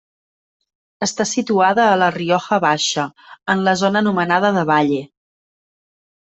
Està situada a la Rioja Baixa, en la zona anomenada de Valle.